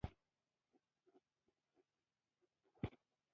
ټاپوګان اشغال او مستحکم کړي.